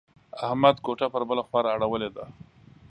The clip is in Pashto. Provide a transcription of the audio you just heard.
احمد کوټه پر بله خوا را اړولې ده.